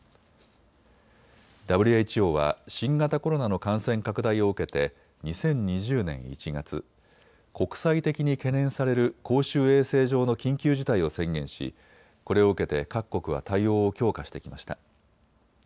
ＷＨＯは新型コロナの感染拡大を受けて２０２０年１月、国際的に懸念される公衆衛生上の緊急事態を宣言しこれを受けて各国は対応を強化してきました。